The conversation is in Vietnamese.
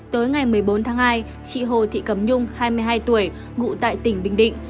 tối ngày một mươi bốn tháng hai chị hồ thị cẩm nhung hai mươi hai tuổi ngụ tại tỉnh bình định